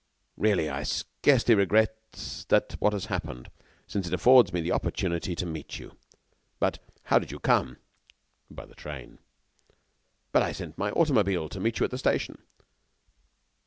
Really, I scarcely regret what has happened, since it affords me the opportunity to meet you. But, how did you come?" "By the train." "But I sent my automobile to meet you at the station."